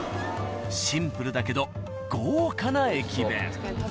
シンプルだけど豪華な駅弁］